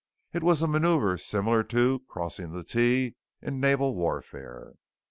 It was a maneuver similar to "Crossing the Tee" in naval warfare.